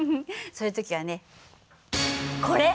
そういう時はねこれ！